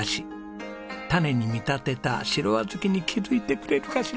種に見立てた白小豆に気づいてくれるかしら？